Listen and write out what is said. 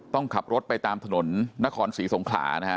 ต้องขับรถไปตามถนนนครศรีสงขลานะฮะ